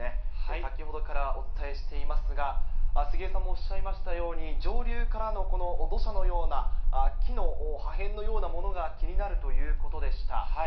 先ほどからお伝えしていますが、杉江さんもおっしゃいましたように、上流からのこの土砂のような、木の破片のようなものが気になるということでした。